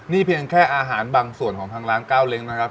นี่เพียงแค่อาหารบางส่วนของทางร้านเก้าเล้งนะครับ